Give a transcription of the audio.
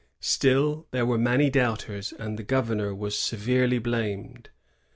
Still, there were many doubters, and the governor was severely blamed.